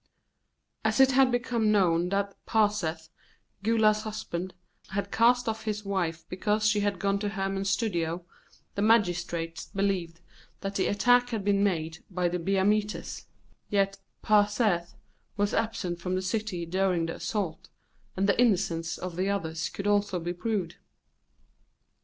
As it had become known that Paseth, Gula's husband, had cast off his wife because she had gone to Hermon's studio, the magistrates believed that the attack had been made by the Biamites; yet Paseth was absent from the city during the assault, and the innocence of the others could also be proved.